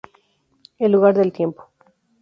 El lugar del tiempo.